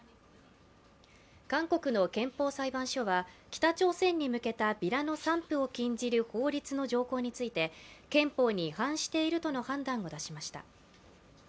韓国の憲法裁判所は北朝鮮に向けたビラの散布を禁じる法律の条項について、憲法に違反しているとの判断を出しました。